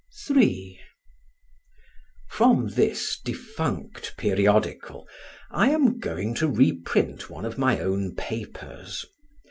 III From this defunct periodical I am going to reprint one of my own papers.